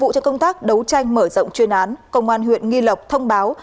cho công tác đấu tranh mở rộng chuyên án công an huyện nghi lộc thông báo